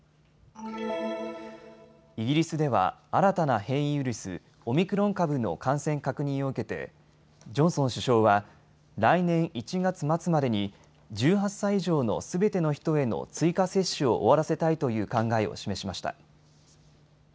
イギリスでは新たな変異ウイルス、オミクロン株の感染確認を受けてジョンソン首相は来年１月末までに１８歳以上のすべての人への追加接種を終わらせたいという考えを示しました。